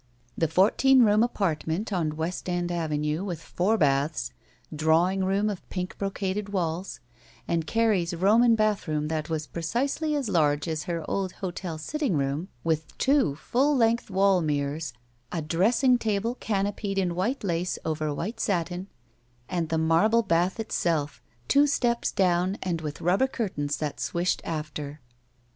The fourteen room apartment on West End Avenue with four baths, drawing room of pink brocaded walls, and Carrie's Roman bath room that was precisely as large as her old hotel sitting room, with two full length wall mirrors, a dressing table canopied in white lace over white satin, and the marble bath itself, two steps down and with rubber curtains that swished after.